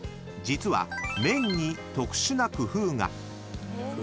［実は麺に特殊な工夫が］